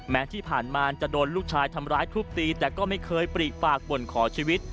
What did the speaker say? แม้ที่ผ่านมาจะโดนลูกชายทำร้ายทุบตีแต่ก็ไม่เคยปรีปากบ่นขอชีวิต